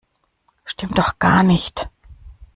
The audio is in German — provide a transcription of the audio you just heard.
Stimmt doch gar nicht!